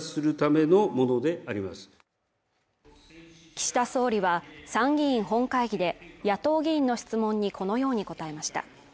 岸田総理は参議院本会議で野党議員の質問にこのように答えました。